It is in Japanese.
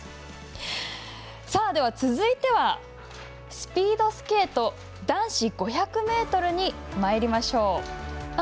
続いてはスピードスケート男子５００ｍにまいりましょう。